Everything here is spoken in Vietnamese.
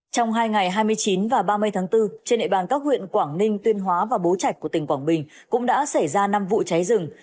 trong hai ngày hai mươi chín và ba mươi tháng bốn trên địa bàn các huyện quảng ninh tuyên hóa và bố trạch của tỉnh quảng bình cũng đã xảy ra năm vụ cháy rừng